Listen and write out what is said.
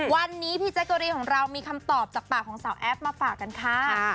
วันนี้พี่แจ๊กเกอรีนของเรามีคำตอบจากปากของสาวแอฟมาฝากกันค่ะ